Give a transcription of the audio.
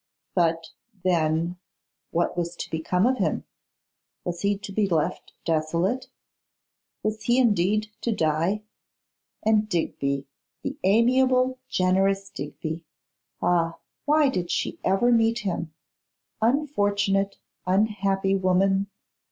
But, then, what was to become of him? Was he to be left desolate? Was he indeed to die? And Digby, the amiable, generous Digby; ah! why did she ever meet him? Unfortunate, unhappy woman!